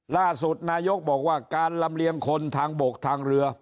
ล่าสุดนายกบอกว่าการลำเลียงคนทางบกทางเรือ